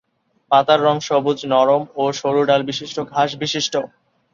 পাতার রং সবুজ নরম ও সরু ডাল বিশিষ্ট ঘাস বিশিষ্ট।